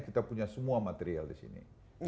kita punya semua material di sini